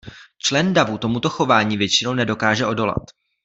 Člen davu tomuto chování většinou nedokáže odolat.